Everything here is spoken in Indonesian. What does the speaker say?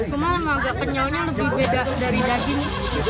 cuma penyaunya lebih beda dari daging